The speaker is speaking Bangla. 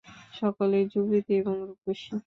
সকলেই যুবতী এবং রূপসী।